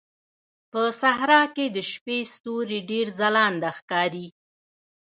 په صحراء کې د شپې ستوري ډېر ځلانده ښکاري.